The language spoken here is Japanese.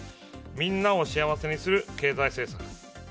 みんなを幸せにする経済政策。